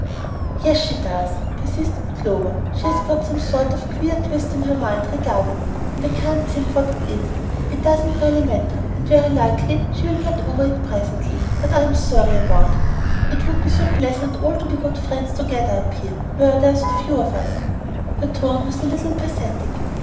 "Yes, she does," persisted Clover. "She has got some sort of queer twist in her mind regarding me, and I can't think what it is. It doesn't really matter, and very likely she'll get over it presently; but I'm sorry about it. It would be so pleasant all to be good friends together up here, where there are so few of us." Her tone was a little pathetic.